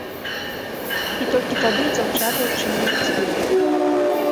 І толькі тады дзяўчаты адчынілі дзверы.